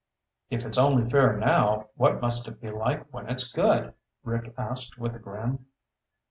"If it's only fair now, what must it be like when it's good?" Rick asked with a grin.